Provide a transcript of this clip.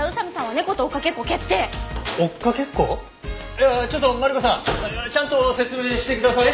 いやちょっとマリコさんちゃんと説明してください！